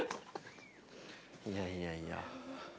いやいやいや。